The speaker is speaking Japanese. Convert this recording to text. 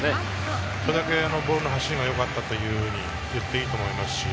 それだけボールの走りがよかったというふうに言っていいと思います。